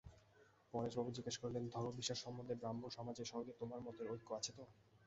পরেশবাবু জিজ্ঞাসা করিলেন, ধর্মবিশ্বাস সম্বন্ধে ব্রাহ্মসমাজের সঙ্গে তোমার মতের ঐক্য আছে তো?